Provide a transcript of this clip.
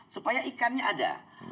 supaya ikannya ada